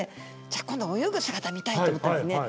じゃあ今度泳ぐ姿見たいと思ったんですね。